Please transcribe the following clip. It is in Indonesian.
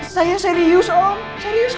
saya serius om serius